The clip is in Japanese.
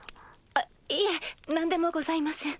あいえ何でもございません。